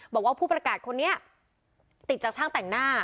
บอกว่าผู้ประกาศคนนี้ติดจากช่างแต่งหน้า